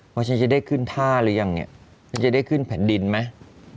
เพราะฉันจะได้ขึ้นท่าหรือยังเนี่ยฉันจะได้ขึ้นแผ่นดินไหม